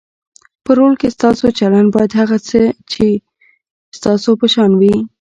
په رول کې ستاسو چلند باید هغه څه وي چې ستاسو په شان وي.